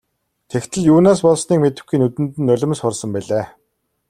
Тэгтэл юунаас болсныг мэдэхгүй нүдэнд нь нулимс хурсан билээ.